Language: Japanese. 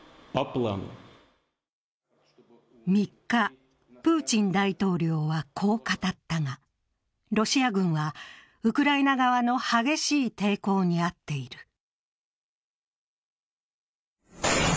３日、プーチン大統領はこう語ったがロシア軍はウクライナ側の激しい抵抗に遭っている。